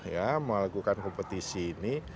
ya melakukan kompetisi ini